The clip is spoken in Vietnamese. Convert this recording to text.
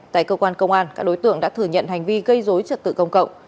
tại cơ quan công an các đối tượng đã thừa nhận hành vi gây dối trật tự công cộng